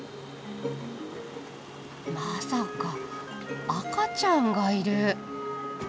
まさか赤ちゃんがいる。